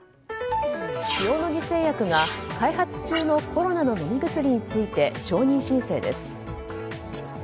塩野義製薬が開発中のコロナの飲み薬について承認申請です。